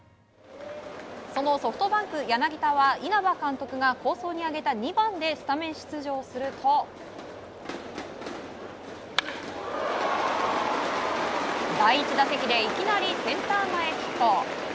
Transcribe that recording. そのソフトバンク、柳田は稲葉監督が構想に挙げた２番でスタメン出場すると第１打席でいきなりセンター前ヒット。